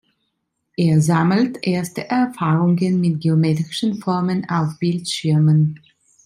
Er sammelt erste Erfahrungen mit geometrischen Formen auf Bildschirmen.